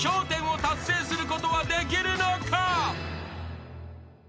１０を達成することはできるのか？］